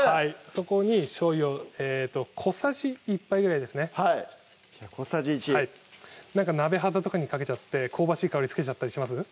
そこにしょうゆを小さじ１杯ぐらいですねはい小さじ１鍋肌とかにかけちゃって香ばしい香りつけちゃったりします？